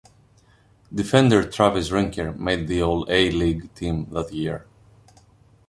Defender Travis Rinker made the All A-League Team that year.